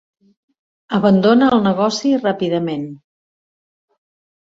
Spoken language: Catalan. Abandona el negoci ràpidament.